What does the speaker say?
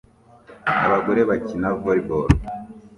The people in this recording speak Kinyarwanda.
Abagore bakina volley ball